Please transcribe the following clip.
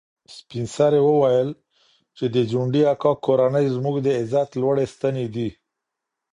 سپین سرې وویل چې د ځونډي اکا کورنۍ زموږ د عزت لوړې ستنې دي.